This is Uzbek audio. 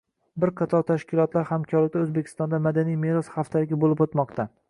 Bir qator tashkilotlar hamkorligida O‘zbekistonda Madaniy meros haftaligi bo‘lib o‘tmoqda.